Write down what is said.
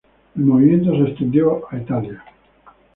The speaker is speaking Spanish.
El movimiento se extendió a Italia.